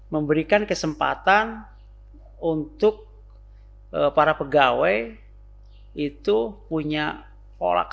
memberikan kesempatan untuk para pegawai itu punya pola karir dan peta jalan karir